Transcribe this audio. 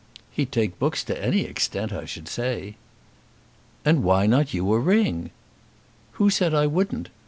"He'd take books to any extent, I should say." "And why not you a ring?" "Who said I wouldn't?